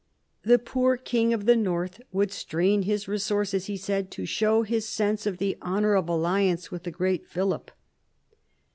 The poor king of the North would strain his resources, he said, to show his sense of the honour of alliance with the great Philip.